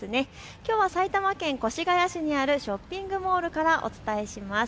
きょうは埼玉県越谷市にあるショッピングモールからお伝えします。